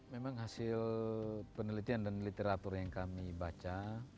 memang hasil penelitian dan literatur yang kami baca